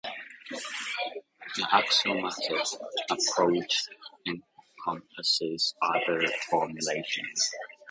The axiomatic approach encompasses other formulations.